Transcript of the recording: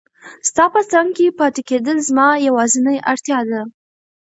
ستا په څنګ کې پاتې کېدل زما یوازینۍ اړتیا ده.